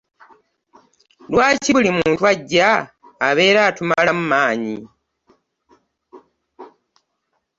Lwaki buli muntu agya abeera atumalamu manyi?